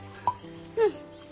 うん。